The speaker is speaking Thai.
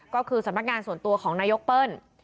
ก็คือสำนักงานส่วนตัวของนายกเปิ้ล